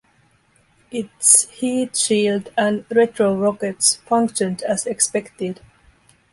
Its heat shield and retrorockets functioned as expected.